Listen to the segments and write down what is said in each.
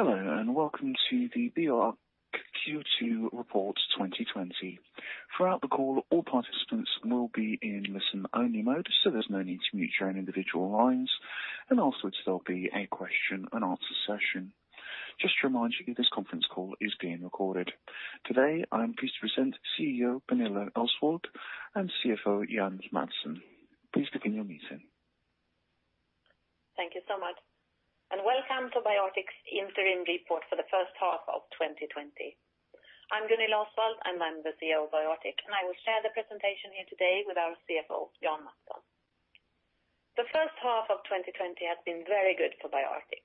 Hello, and welcome to the BioArctic Q2 Report 2020. Throughout the call, all participants will be in listen-only mode, so there's no need to mute your own individual lines, and also there'll be a question-and-answer session. Just to remind you, this conference call is being recorded. Today, I am pleased to present CEO Gunilla Osswald and CFO Jan Mattsson. Please begin your meeting. Thank you so much, and welcome to BioArctic's interim report for the first half of 2020. I'm Gunilla Osswald, and I'm the CEO of BioArctic, and I will share the presentation here today with our CFO, Jan Mattsson. The first half of 2020 has been very good for BioArctic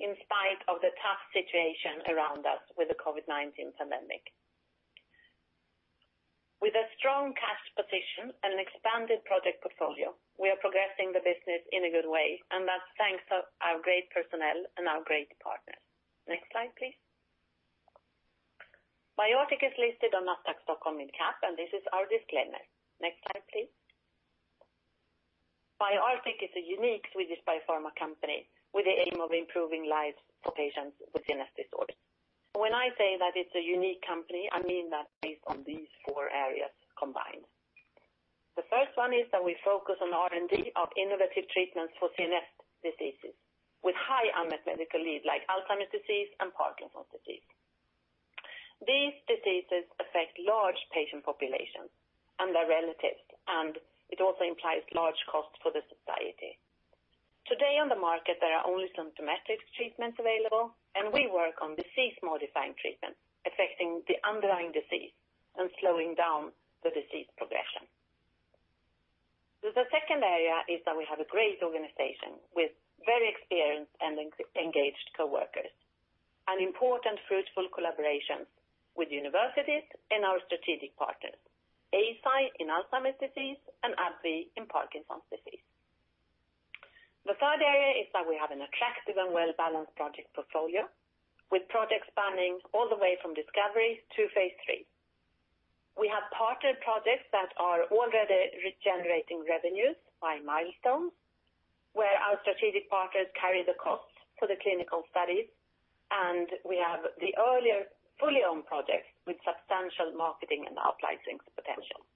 in spite of the tough situation around us with the COVID-19 pandemic. With a strong cash position and an expanded project portfolio, we are progressing the business in a good way, and that's thanks to our great personnel and our great partners. Next slide, please. BioArctic is listed on Nasdaq Stockholm Mid Cap, and this is our disclaimer. Next slide, please. BioArctic is a unique Swedish biopharma company with the aim of improving lives for patients with CNS disorders. When I say that it's a unique company, I mean that based on these four areas combined. The first one is that we focus on R&D of innovative treatments for CNS diseases with high unmet medical needs like Alzheimer's disease and Parkinson's disease. These diseases affect large patient populations and their relatives, and it also implies large costs for the society. Today, on the market, there are only some domestic treatments available, and we work on disease-modifying treatment, affecting the underlying disease and slowing down the disease progression. The second area is that we have a great organization with very experienced and engaged coworkers, and important fruitful collaborations with universities and our strategic partners, Eisai in Alzheimer's disease and AbbVie in Parkinson's disease. The third area is that we have an attractive and well-balanced project portfolio, with projects spanning all the way from discovery to phase three. We have partnered projects that are already generating revenues by milestones, where our strategic partners carry the cost for the clinical studies, and we have the earlier fully owned projects with substantial marketing and outlining potential.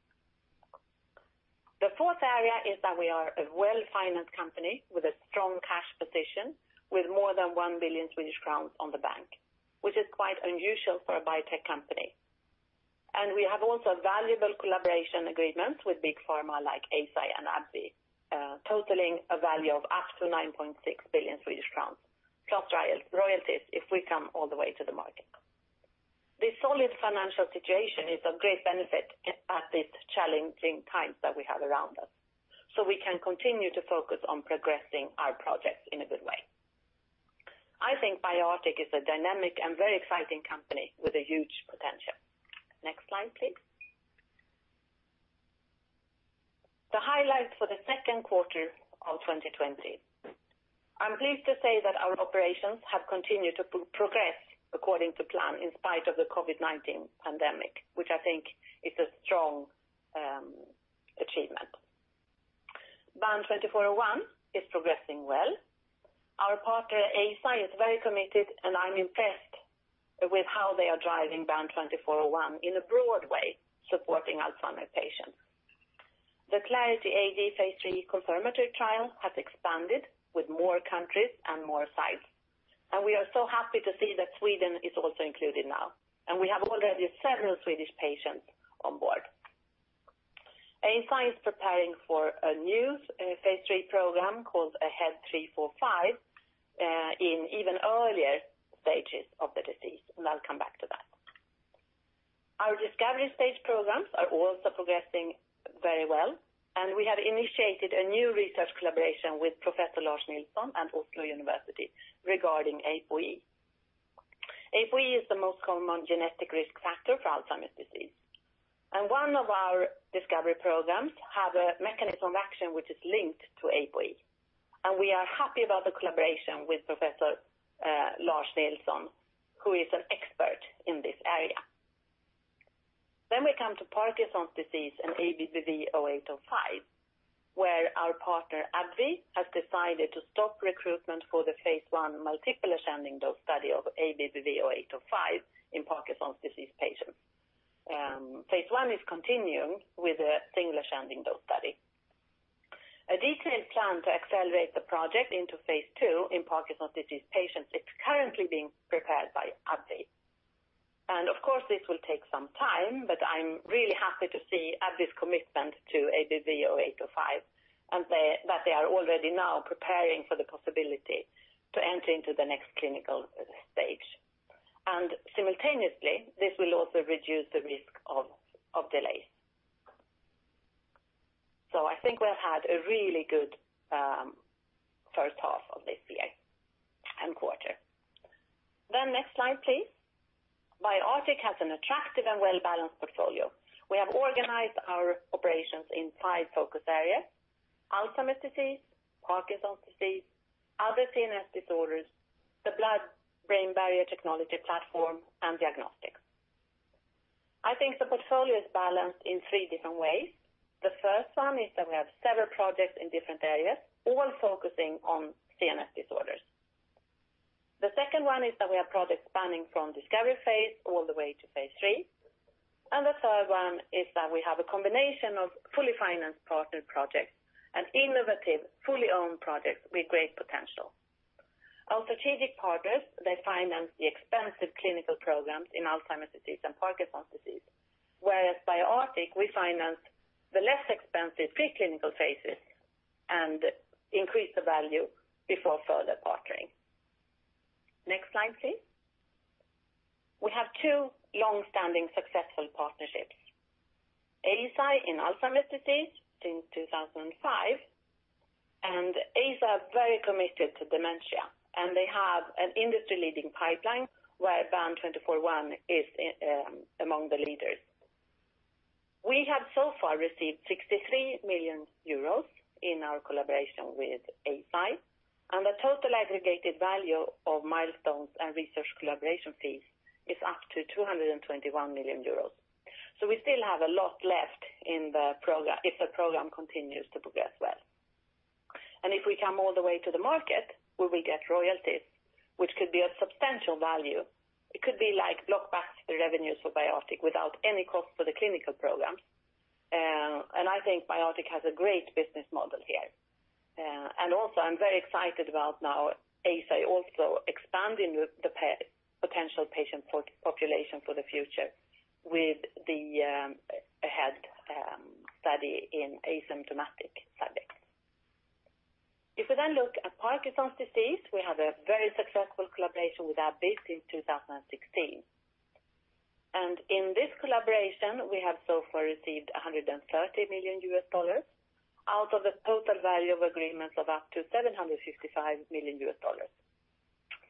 The fourth area is that we are a well-financed company with a strong cash position, with more than 1 billion Swedish crowns in the bank, which is quite unusual for a biotech company. And we have also valuable collaboration agreements with big pharma like Eisai and AbbVie, totaling a value of up to 9.6 billion Swedish crowns, plus royalties, if we come all the way to the market. The solid financial situation is of great benefit at these challenging times that we have around us, so we can continue to focus on progressing our projects in a good way. I think BioArctic is a dynamic and very exciting company with a huge potential. Next slide, please. The highlights for the second quarter of 2020. I'm pleased to say that our operations have continued to progress according to plan in spite of the COVID-19 pandemic, which I think is a strong achievement. BAN2401 is progressing well. Our partner, Eisai, is very committed, and I'm impressed with how they are driving BAN2401 in a broad way, supporting Alzheimer's patients. The Clarity AD phase 3 confirmatory trial has expanded with more countries and more sites, and we are so happy to see that Sweden is also included now, and we have already several Swedish patients on board. Eisai is preparing for a new phase 3 program called AHEAD 3-45 in even earlier stages of the disease, and I'll come back to that. Our discovery stage programs are also progressing very well, and we have initiated a new research collaboration with Professor Lars Nilsson and University of Oslo regarding APOE. APOE is the most common genetic risk factor for Alzheimer's disease, and one of our discovery programs have a mechanism of action, which is linked to APOE. We are happy about the collaboration with Professor Lars Nilsson, who is an expert in this area. We come to Parkinson's disease and ABBV-0805, where our partner, AbbVie, has decided to stop recruitment for the phase I multiple-ascending dose study of ABBV-0805 in Parkinson's disease patients. Phase I is continuing with a single-ascending dose study. A detailed plan to accelerate the project into phase II in Parkinson's disease patients is currently being prepared by AbbVie. And of course, this will take some time, but I'm really happy to see AbbVie's commitment to ABBV-0805, and they - that they are already now preparing for the possibility to enter into the next clinical stage. And simultaneously, this will also reduce the risk of delays. So I think we've had a really good first half of this year and quarter. Then next slide, please. BioArctic has an attractive and well-balanced portfolio. We have organized our operations in five focus areas: Alzheimer's disease, Parkinson's disease, other CNS disorders, the blood-brain barrier technology platform, and diagnostics.... I think the portfolio is balanced in three different ways. The first one is that we have several projects in different areas, all focusing on CNS disorders. The second one is that we have projects spanning from discovery phase all the way to phase 3, and the third one is that we have a combination of fully financed partner projects and innovative, fully owned projects with great potential. Our strategic partners, they finance the expensive clinical programs in Alzheimer's disease and Parkinson's disease, whereas BioArctic, we finance the less expensive preclinical phases and increase the value before further partnering. Next slide, please. We have two long-standing successful partnerships, Eisai in Alzheimer's disease since 2005, and Eisai are very committed to dementia, and they have an industry-leading pipeline where BAN2401 is among the leaders. We have so far received 63 million euros in our collaboration with Eisai, and the total aggregated value of milestones and research collaboration fees is up to 221 million euros. So we still have a lot left in the program, if the program continues to progress well. And if we come all the way to the market, we will get royalties, which could be a substantial value. It could be like blockbuster revenues for BioArctic without any cost for the clinical programs. And I think BioArctic has a great business model here. And also, I'm very excited about now Eisai also expanding the potential patient population for the future with the AHEAD study in asymptomatic subjects. If we then look at Parkinson's disease, we have a very successful collaboration with AbbVie since 2016. And in this collaboration, we have so far received $130 million, out of the total value of agreements of up to $755 million.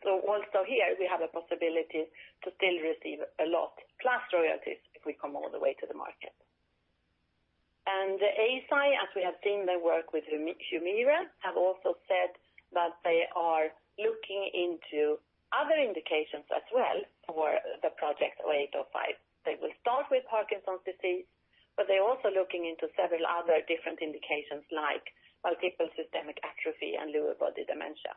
So also here, we have a possibility to still receive a lot, plus royalties if we come all the way to the market. And Eisai, as we have seen their work with Humira, have also said that they are looking into other indications as well for the project 0805. They will start with Parkinson's disease, but they're also looking into several other different indications, like multiple system atrophy and Lewy body dementia.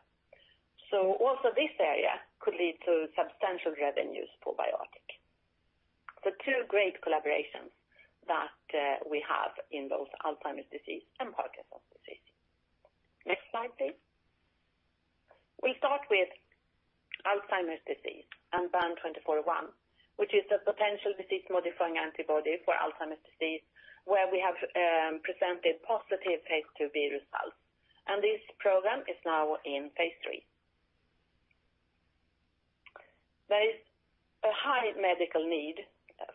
So also this area could lead to substantial revenues for BioArctic. So two great collaborations that we have in both Alzheimer's disease and Parkinson's disease. Next slide, please. We start with Alzheimer's disease and BAN2401, which is the potential disease-modifying antibody for Alzheimer's disease, where we have presented positive phase II results, and this program is now in phase III. There is a high medical need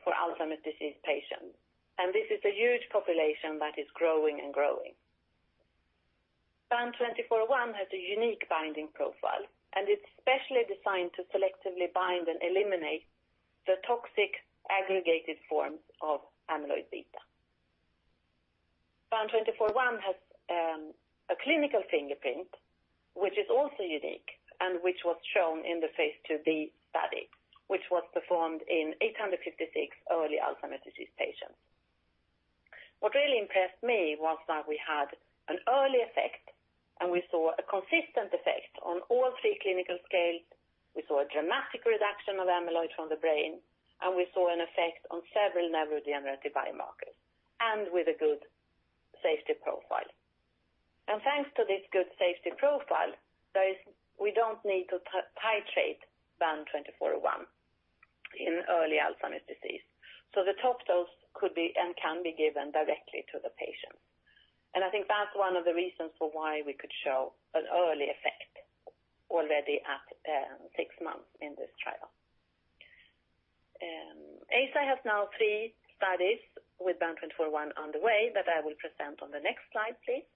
for Alzheimer's disease patients, and this is a huge population that is growing and growing. BAN2401 has a unique binding profile, and it's specially designed to selectively bind and eliminate the toxic aggregated forms of amyloid beta. BAN2401 has a clinical fingerprint, which is also unique and which was shown in the phase IIb study, which was performed in 856 early Alzheimer's disease patients. What really impressed me was that we had an early effect, and we saw a consistent effect on all three clinical scales. We saw a dramatic reduction of amyloid from the brain, and we saw an effect on several neurodegenerative biomarkers, and with a good safety profile. And thanks to this good safety profile, there is, we don't need to titrate BAN2401 in early Alzheimer's disease. So the top dose could be, and can be given directly to the patient. I think that's one of the reasons for why we could show an early effect already at six months in this trial. Eisai has now three studies with BAN2401 on the way that I will present on the next slide, please.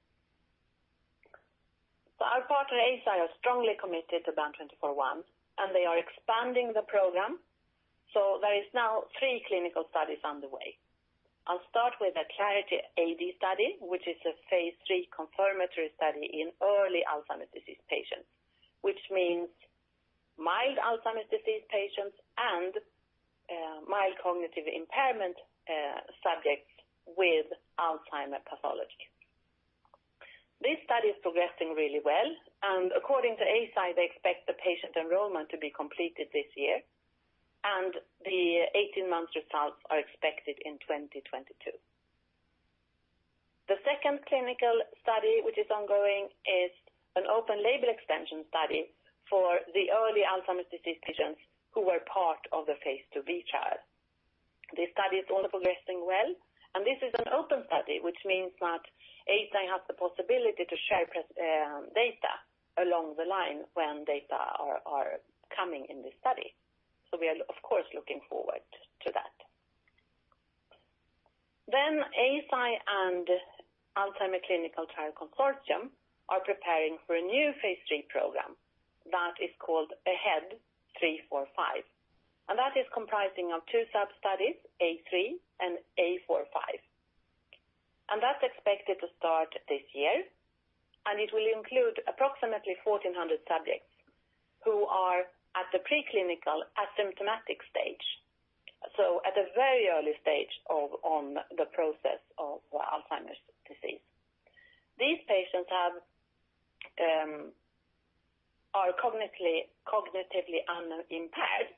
So our partner, Eisai, are strongly committed to BAN2401, and they are expanding the program. So there is now three clinical studies on the way. I'll start with the Clarity AD study, which is a phase III confirmatory study in early Alzheimer's disease patients, which means mild Alzheimer's disease patients and mild cognitive impairment subjects with Alzheimer pathology. This study is progressing really well, and according to Eisai, they expect the patient enrollment to be completed this year, and the 18-month results are expected in 2022. The second clinical study, which is ongoing, is an open label extension study for the early Alzheimer's disease patients who were part of the phase IIb trial. This study is also progressing well, and this is an open study, which means that Eisai has the possibility to share pres-, data along the line when data are coming in this study. So we are, of course, looking forward to that. Then Eisai and Alzheimer's Clinical Trial Consortium are preparing for a new phase III program that is called AHEAD 3-45, and that is comprising of two sub-studies, A3 and A45, and that's expected to start this year, and it will include approximately 1,400 subjects who are at the preclinical asymptomatic stage. So at a very early stage of, on the process of, Alzheimer's disease. These patients are cognitively unimpaired,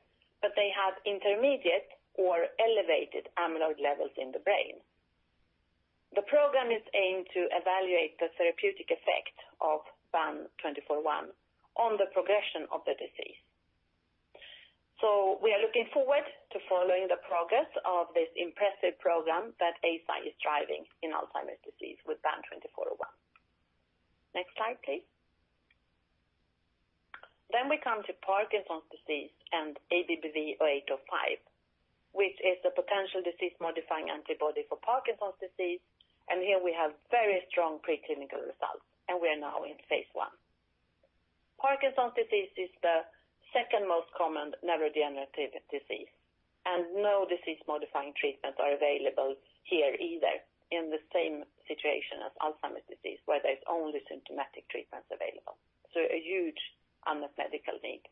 but they have intermediate or elevated amyloid levels in the brain. The program is aimed to evaluate the therapeutic effect of BAN2401 on the progression of the disease. So we are looking forward to following the progress of this impressive program that Eisai is driving in Alzheimer's disease with BAN2401. Next slide, please. Then we come to Parkinson's disease and ABBV-0805, which is a potential disease-modifying antibody for Parkinson's disease, and here we have very strong preclinical results, and we are now in phase 1. Parkinson's disease is the second most common neurodegenerative disease, and no disease-modifying treatments are available here either, in the same situation as Alzheimer's disease, where there's only symptomatic treatments available, so a huge unmet medical need.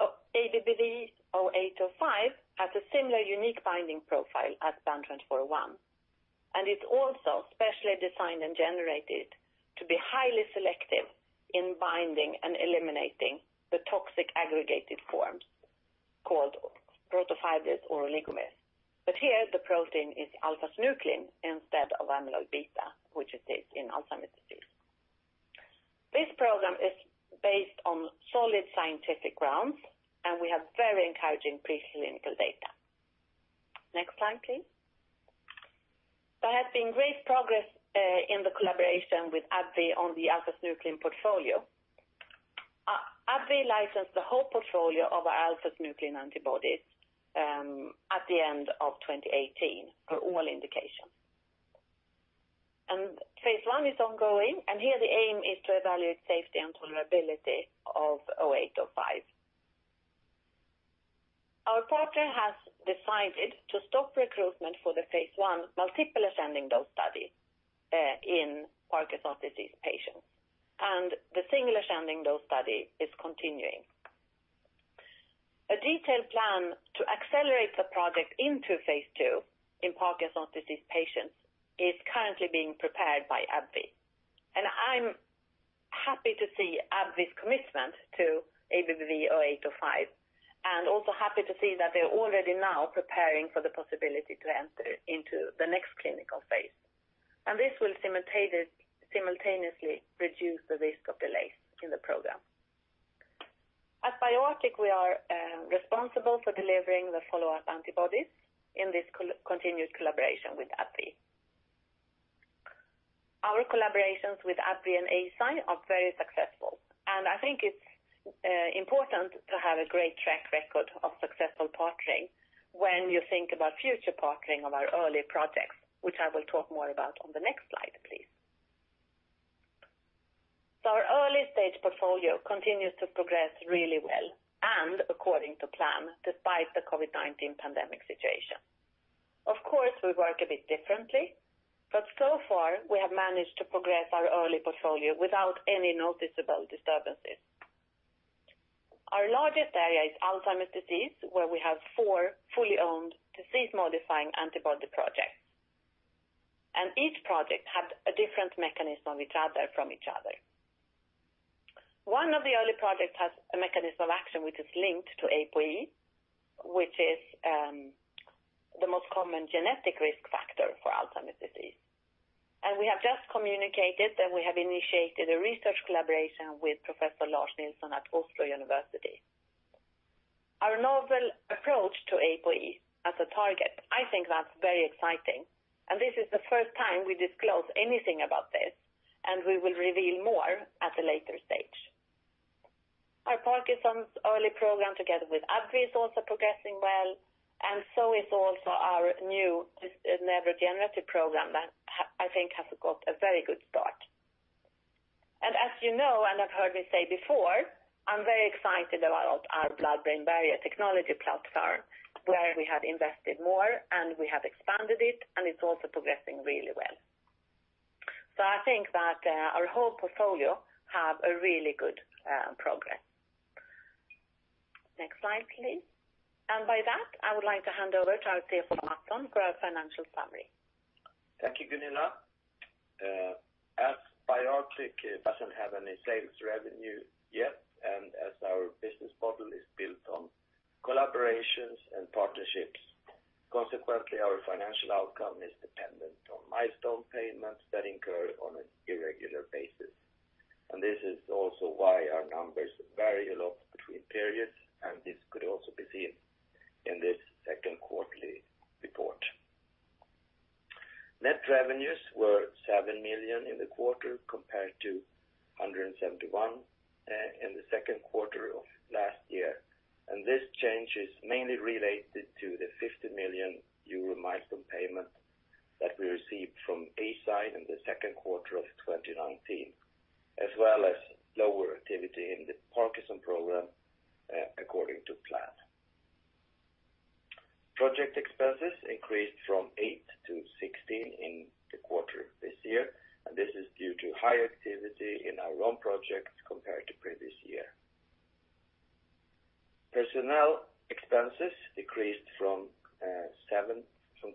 Oh, ABBV-0805 has a similar unique binding profile as BAN2401, and it's also specially designed and generated to be highly selective in binding and eliminating the toxic aggregated forms called protofibrils or oligomers. But here, the protein is alpha-synuclein instead of amyloid beta, which it is in Alzheimer's disease. This program is based on solid scientific grounds, and we have very encouraging preclinical data. Next slide, please. There has been great progress in the collaboration with AbbVie on the alpha-synuclein portfolio. AbbVie licensed the whole portfolio of our alpha-synuclein antibodies at the end of 2018 for all indications. And phase 1 is ongoing, and here the aim is to evaluate safety and tolerability of 0805. Our partner has decided to stop recruitment for the phase 1 multiple ascending dose study in Parkinson's disease patients, and the single ascending dose study is continuing. A detailed plan to accelerate the project into phase II in Parkinson's disease patients is currently being prepared by AbbVie. I'm happy to see AbbVie's commitment to ABBV-0805, and also happy to see that they're already now preparing for the possibility to enter into the next clinical phase. And this will simultaneously reduce the risk of delays in the program. At BioArctic, we are responsible for delivering the follow-up antibodies in this continued collaboration with AbbVie. Our collaborations with AbbVie and Eisai are very successful, and I think it's important to have a great track record of successful partnering when you think about future partnering of our early projects, which I will talk more about on the next slide, please. Our early-stage portfolio continues to progress really well and according to plan, despite the COVID-19 pandemic situation. Of course, we work a bit differently, but so far, we have managed to progress our early portfolio without any noticeable disturbances. Our largest area is Alzheimer's disease, where we have four fully owned disease-modifying antibody projects, and each project has a different mechanism of each other, from each other. One of the early projects has a mechanism of action which is linked to APOE, which is the most common genetic risk factor for Alzheimer's disease. And we have just communicated that we have initiated a research collaboration with Professor Lars Nilsson at University of Oslo. Our novel approach to APOE as a target, I think that's very exciting, and this is the first time we disclose anything about this, and we will reveal more at a later stage. Our Parkinson's early program, together with AbbVie, is also progressing well, and so is also our new neurodegenerative program that I think has got a very good start. As you know, and have heard me say before, I'm very excited about our blood-brain barrier technology platform, where we have invested more, and we have expanded it, and it's also progressing really well. So I think that our whole portfolio have a really good progress. Next slide, please. And by that, I would like to hand over to Jan Mattsson for a financial summary. Thank you, Gunilla. As BioArctic doesn't have any sales revenue yet, and as our business model is built on collaborations and partnerships, consequently, our financial outcome is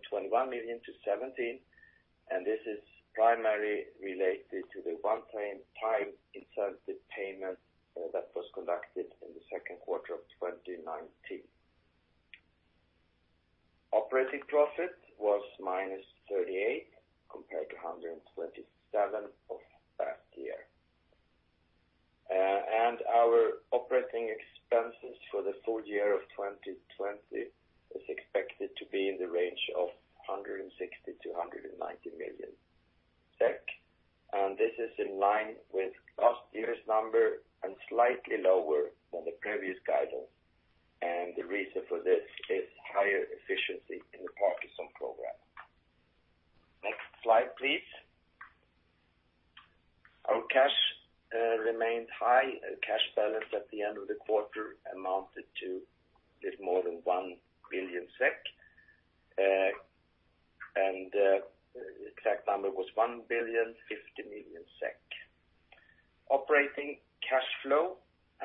the EUR 50 million milestone payment that we received from Eisai in the second quarter of 2019, as well as lower activity in the Parkinson program, according to plan. Project expenses increased from 8 to 16 in the quarter this year, and this is due to higher activity in our own projects compared to previous year. Personnel expenses decreased from 21 million to 17, and this is primarily related to the one-time incentive payment that was conducted in the second quarter of 2019. Operating profit was -38, compared to 127 of last year. And our operating expenses for the full year of 2020 is expected to be in the range of 160 million-190 million SEK, and this is in line with last year's number and slightly lower than the previous guidance. The reason for this is higher efficiency in the Parkinson program. Next slide, please. Our cash remained high. Cash balance at the end of the quarter amounted to a bit more than 1 billion SEK, and the exact number was 1.05 billion. Operating cash flow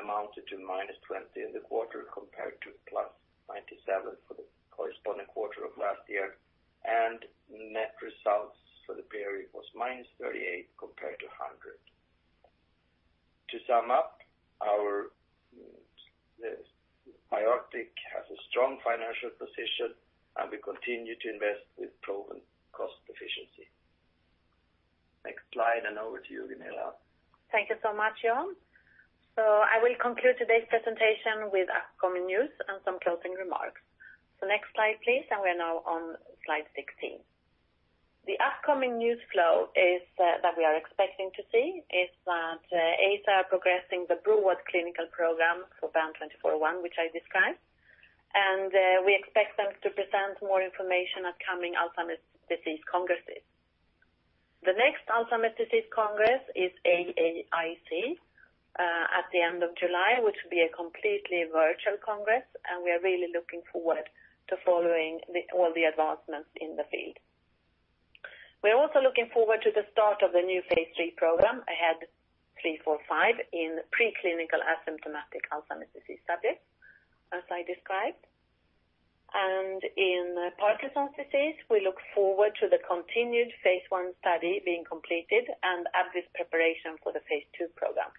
amounted to -20 in the quarter, compared to +97 for the corresponding quarter of last year, and net results for the period was -38, compared to 100. To sum up, our BioArctic has a strong financial position, and we continue to invest with proven cost efficiency. Next slide, and over to you, Emela. Thank you so much, Jan. So I will conclude today's presentation with upcoming news and some closing remarks. So next slide, please, and we are now on slide 16. The upcoming news flow is that we are expecting to see is that Eisai progressing the Leqembi clinical program for BAN2401, which I described, and we expect them to present more information at coming Alzheimer's disease congresses. The next Alzheimer's disease congress is AAIC at the end of July, which will be a completely virtual congress, and we are really looking forward to following all the advancements in the field. We are also looking forward to the start of the new phase 3 program, AHEAD 3-45, in preclinical asymptomatic Alzheimer's disease subjects, as I described. In Parkinson's disease, we look forward to the continued phase 1 study being completed and AbbVie's preparation for the phase 2 program.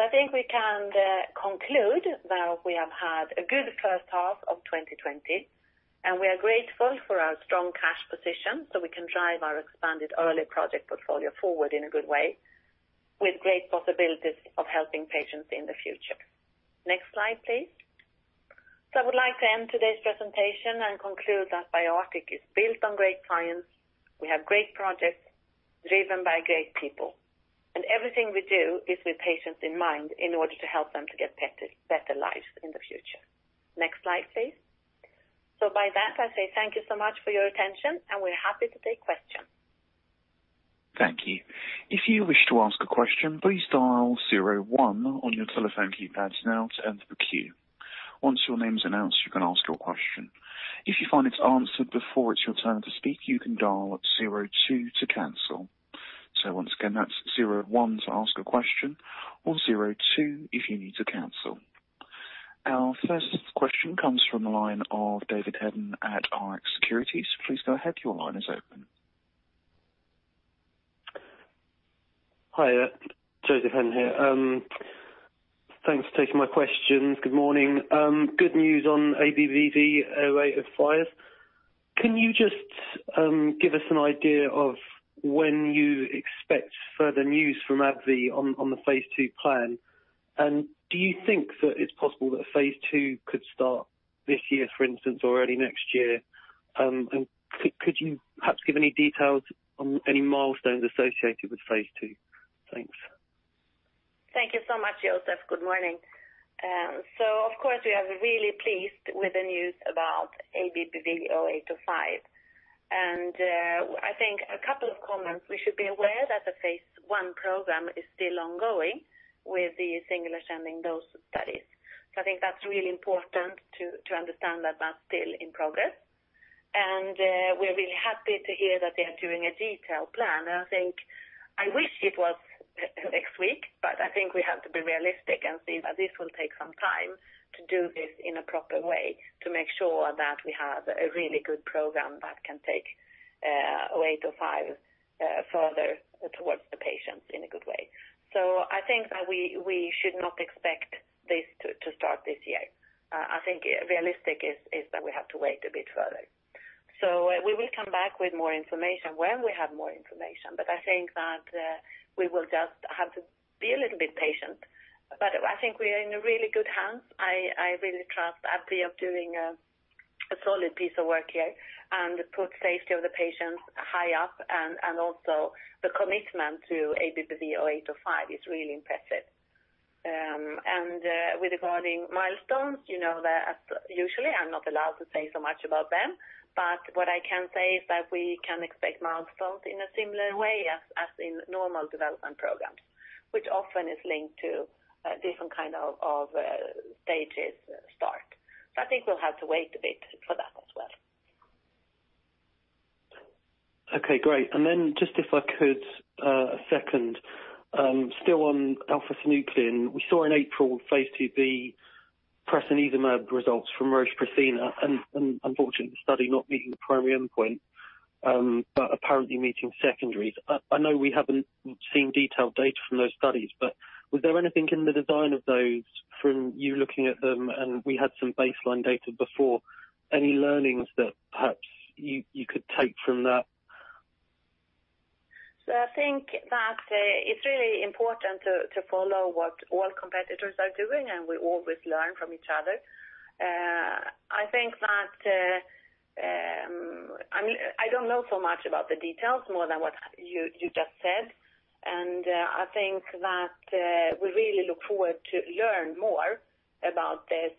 I think we can conclude that we have had a good first half of 2020, and we are grateful for our strong cash position, so we can drive our expanded early project portfolio forward in a good way, with great possibilities of helping patients in the future. Next slide, please. I would like to end today's presentation and conclude that BioArctic is built on great science. We have great projects driven by great people, and everything we do is with patients in mind in order to help them to get better, better lives in the future. Next slide, please. By that, I say thank you so much for your attention, and we're happy to take questions. Thank you. If you wish to ask a question, please dial zero one on your telephone keypads now to enter the queue. Once your name is announced, you can ask your question. If you find it's answered before it's your turn to speak, you can dial at zero two to cancel. So once again, that's zero one to ask a question or zero two if you need to cancel. Our first question comes from the line of Joseph Hedden at Rx Securities. Please go ahead, your line is open. Hi there, Joseph Hedden here. Thanks for taking my questions. Good morning. Good news on ABBV-0805. Can you just give us an idea of when you expect further news from AbbVie on the phase 2 plan? And do you think that it's possible that phase 2 could start this year, for instance, or early next year? And could you perhaps give any details on any milestones associated with phase 2? Thanks. Thank you so much, Joseph. Good morning. So, of course, we are really pleased with the news about ABBV-0805. And I think a couple of comments, we should be aware that the phase one program is still ongoing with the single ascending dose studies. So I think that's really important to understand that that's still in progress. And we're really happy to hear that they are doing a detailed plan. And I think I wish it was next week, but I think we have to be realistic and see that this will take some time to do this in a proper way, to make sure that we have a really good program that can take 0805 further towards the patients in a good way. So I think that we should not expect this to start this year. I think realistic is that we have to wait a bit further. So we will come back with more information when we have more information, but I think that we will just have to be a little bit patient. But I think we are in a really good hands. I really trust AbbVie of doing a solid piece of work here and put safety of the patients high up, and also the commitment to ABBV-0805 is really impressive. And with regarding milestones, you know that usually I'm not allowed to say so much about them, but what I can say is that we can expect milestones in a similar way as in normal development programs, which often is linked to different kind of stages start. I think we'll have to wait a bit for that as well. Okay, great. Then just if I could a second, still on alpha-synuclein, we saw in April phase 2b prasinezumab results from Roche Prothena, and unfortunately, the study not meeting the primary endpoint, but apparently meeting secondaries. I know we haven't seen detailed data from those studies, but was there anything in the design of those from you looking at them, and we had some baseline data before, any learnings that perhaps you could take from that? So I think that it's really important to follow what all competitors are doing, and we always learn from each other. I think that I don't know so much about the details more than what you just said. And I think that we really look forward to learn more about this.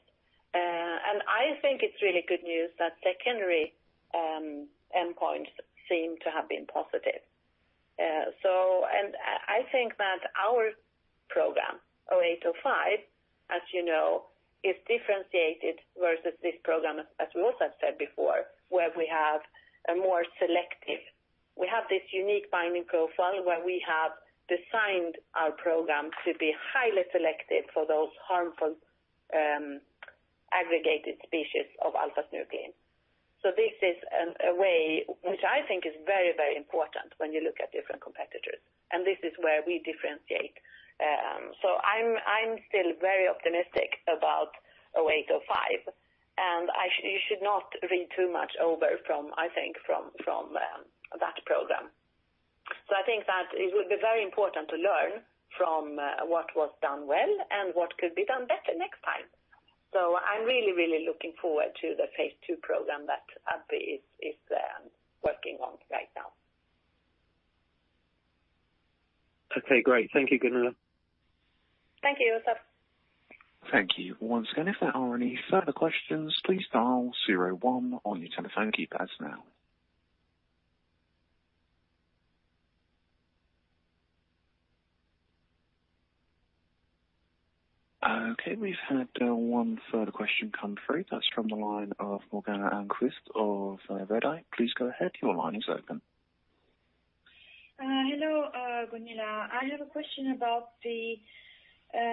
And I think it's really good news that secondary endpoints seem to have been positive. So and I think that our program, 0805, as you know, is differentiated versus this program, as we also have said before, where we have a more selective. We have this unique binding profile where we have designed our program to be highly selective for those harmful aggregated species of alpha-synuclein. So this is a way which I think is very, very important when you look at different competitors, and this is where we differentiate. So I'm still very optimistic about 0805, and I—you should not read too much over from, I think, from that program. So I think that it would be very important to learn from what was done well and what could be done better next time. So I'm really, really looking forward to the phase 2 program that AbbVie is working on right now. Okay, great. Thank you, Gunilla. Thank you, Arthur. Thank you. Once again, if there are any further questions, please dial zero one on your telephone keypads now. Okay, we've had one further question come through. That's from the line of Gergana Almquist of Redeye. Please go ahead. Your line is open. Hello, Gunilla. I have a question about the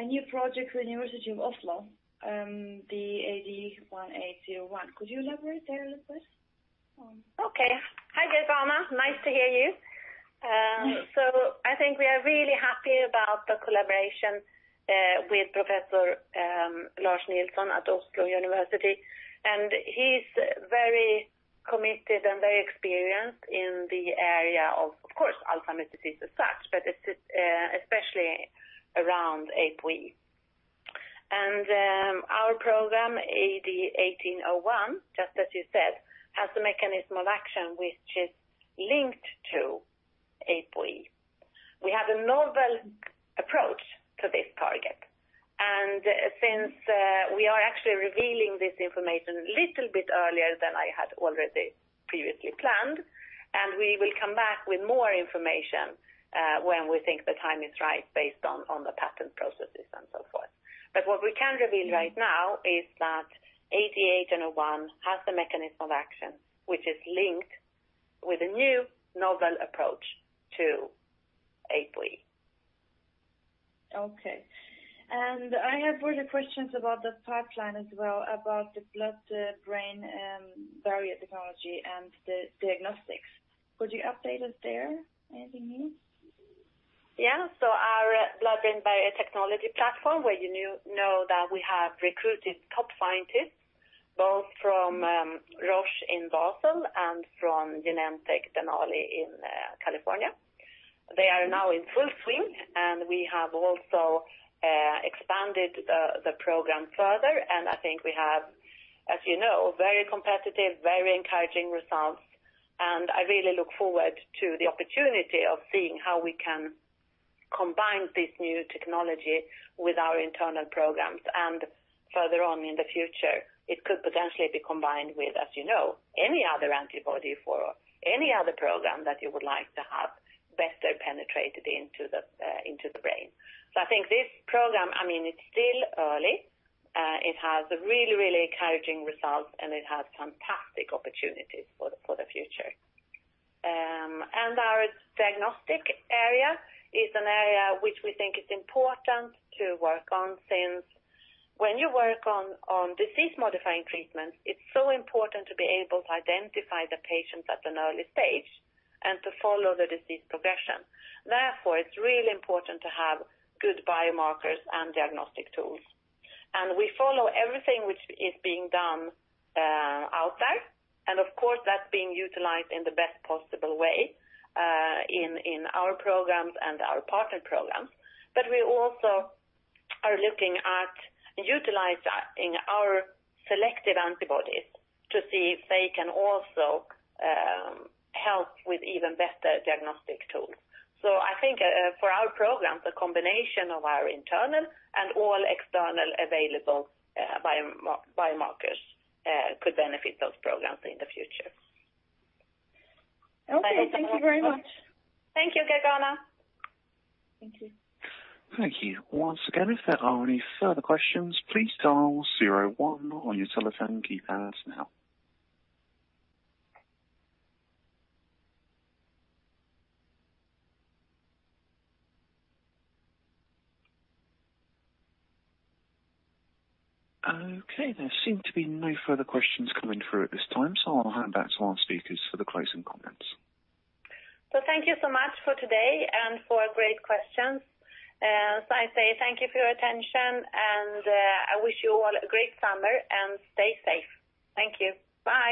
new project with University of Oslo, the AD-1801. Could you elaborate there a little bit? Okay. Hi, Gergana. Nice to hear you. So I think we are really happy about the collaboration with Professor Lars Nilsson at University of Oslo, and he's very committed and very experienced in the area of, of course, Alzheimer's disease as such, but especially around APOE. And our program, AD1801, just as you said, has a mechanism of action which is linked to APOE. We have a novel approach to this target, and since we are actually revealing this information a little bit earlier than I had already previously planned, and we will come back with more information when we think the time is right, based on the patent processes and so forth. But what we can reveal right now is that AD1801 has a mechanism of action, which is linked with a new novel approach to APOE. Okay. I have further questions about the pipeline as well, about the blood-brain barrier technology and the diagnostics. Could you update us there, anything new? Yeah. So our blood-brain barrier technology platform, where you know that we have recruited top scientists, both from Roche in Basel and from Genentech, Denali in California. They are now in full swing, and we have also expanded the program further, and I think we have, as you know, very competitive, very encouraging results. And I really look forward to the opportunity of seeing how we can combine this new technology with our internal programs. And further on in the future, it could potentially be combined with, as you know, any other antibody for any other program that you would like to have better penetrated into the into the brain. So I think this program, I mean, it's still early. It has really, really encouraging results, and it has fantastic opportunities for the for the future. Our diagnostic area is an area which we think is important to work on, since when you work on disease-modifying treatments, it's so important to be able to identify the patients at an early stage and to follow the disease progression. Therefore, it's really important to have good biomarkers and diagnostic tools. And we follow everything which is being done outside, and of course, that's being utilized in the best possible way in our programs and our partner programs. But we also are looking at utilizing our selective antibodies to see if they can also help with even better diagnostic tools. So I think, for our programs, a combination of our internal and all external available biomarkers could benefit those programs in the future. Okay. Thank you very much. Thank you, Gergana. Thank you. Once again, if there are any further questions, please dial zero one on your telephone keypads now. Okay, there seem to be no further questions coming through at this time, so I'll hand back to our speakers for the closing comments. Thank you so much for today and for great questions. I say thank you for your attention, and I wish you all a great summer and stay safe. Thank you. Bye.